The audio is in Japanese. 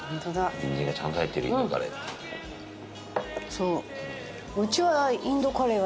そう。